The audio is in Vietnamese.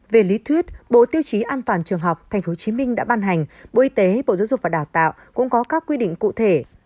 về lý thuyết bộ tiêu chí an toàn trường học tp hcm đã ban hành bộ y tế bộ giáo dục và đào tạo cũng có các quy định cụ thể